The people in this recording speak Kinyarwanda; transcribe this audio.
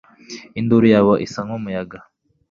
induru yabo isa n'umuyaga